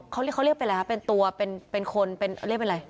เขาเรียกเป็นอะไรฮะเป็นตัวเป็นคนเรียกเป็นอะไร